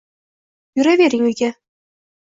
Yuravering uyga